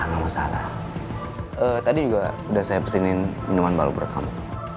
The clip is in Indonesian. gak masalah tadi juga udah saya pesenin minuman baru buat kamu